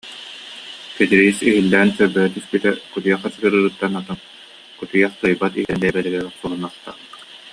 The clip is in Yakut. Кэтириис иһиллээн чөрбөйө түспүтэ, кутуйах хачыгырыырыттан атын, кутуйах кыайбат иһиттэрин бэйэ-бэйэлэригэр охсуһуннартаабыт